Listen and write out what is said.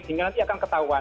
sehingga nanti akan ketahuan